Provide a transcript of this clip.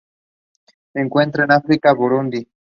Se encuentran en África: Burundi.